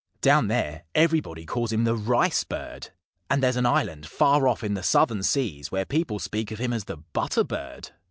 Down there everybody calls him the Rice Bird. And there's an island far off in the southern seas where people speak of him as the Butter Bird."